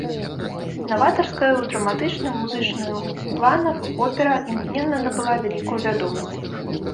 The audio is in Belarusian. Наватарская ў драматычным і музычным планах опера імгненна набыла вялікую вядомасць.